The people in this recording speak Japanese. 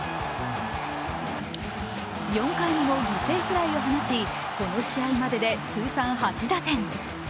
４回にも犠牲フライを放ち、この試合までで通算８打点。